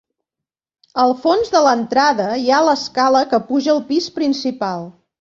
Al fons de l'entrada hi ha l'escala que puja al pis principal.